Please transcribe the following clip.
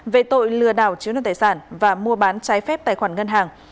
về tội lừa đảo chiếm đoạt tài sản và mua bán trái phép tài khoản ngân hàng